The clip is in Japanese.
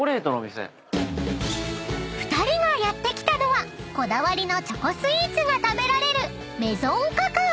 ［２人がやって来たのはこだわりのチョコスイーツが食べられる］